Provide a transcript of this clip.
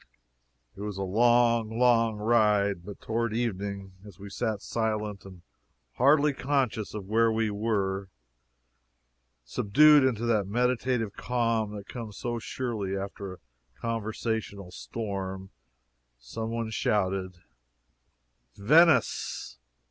It was a long, long ride. But toward evening, as we sat silent and hardly conscious of where we were subdued into that meditative calm that comes so surely after a conversational storm some one shouted "VENICE!"